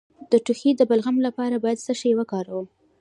د ټوخي د بلغم لپاره باید څه شی وکاروم؟